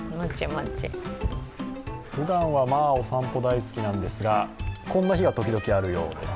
ふだんはお散歩大好きなんですが、こんな日が時々あるようです。